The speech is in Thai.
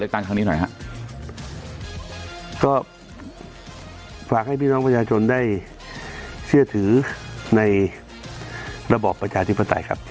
ก็ฝากให้พี่น้องประชาชนได้เชื่อถือในระบอบประชาธิปไตยครับ